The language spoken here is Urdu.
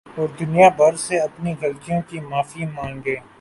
اور دنیا بھر سے اپنی غلطیوں کی معافی ما نگے